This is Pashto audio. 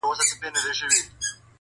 درد په حافظه کي پاتې کيږي-